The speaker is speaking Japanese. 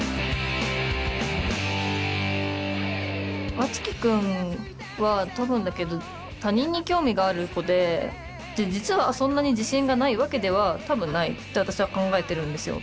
あつき君は多分だけど他人に興味がある子で実はそんなに自信がないわけでは多分ないと私は考えてるんですよ。